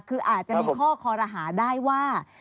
คืออาจจะมีข้อคอรหาได้ว่า